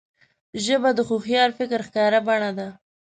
ژبه د هوښیار فکر ښکاره بڼه ده